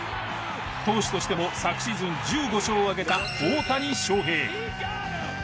投手としても昨シーズン１５勝を挙げた大谷翔平。